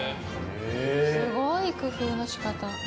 すごい工夫の仕方。